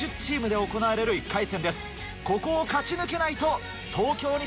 ここを勝ち抜けないと。